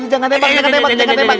jangan tembak jangan tembak jangan tembak